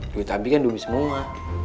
duit abi kan duit semua